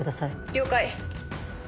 了解。